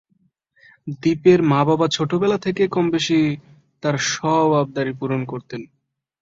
দ্বীপের মা বাবা ছোটবেলা থেকে কমবেশি তার সব আবদারই পূরণ করতেন।